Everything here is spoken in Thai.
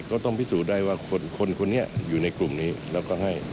ก็ต้องพิสูจน์ได้ว่าคนคนนี้อยู่ในกลุ่มนี้แล้วก็ให้